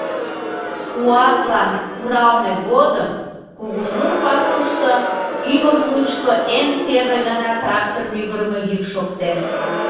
«Куатлан» куралме годым Кугунур пасушто ӱмыр мучко эн первый гана трактор мӱгырымӧ йӱк шоктен.